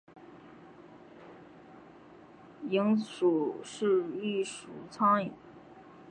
蝇属是一属苍蝇。